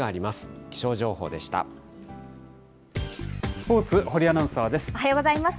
スポーツ、堀アナウンサーです。